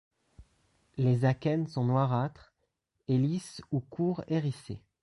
Les akènes sont noirâtres, et lisses ou court-hérissées.